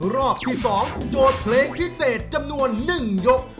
รอบที่๒โจทย์เพลงพิเศษจำนวน๑ยก